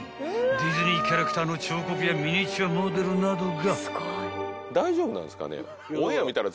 ［ディズニーキャラクターの彫刻やミニチュアモデルなどが］